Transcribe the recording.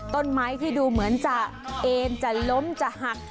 ต้นไม้ที่ดูเหมือนจะเอ็นจะล้มจะหัก